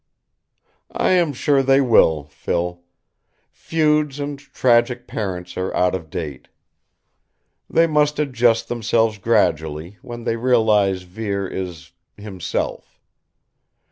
"I am sure they will, Phil. Feuds and tragic parents are out of date. They must adjust themselves gradually when they realize Vere is himself.